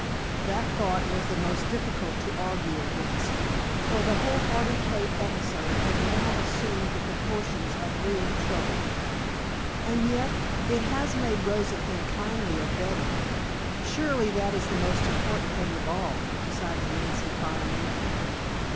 That thought was the most difficult to argue against, for the whole party cape episode had now assumed the proportions of real trouble. "And yet it has made Rosa think kindly of Betty! Surely that is the most important thing of all," decided Nancy finally.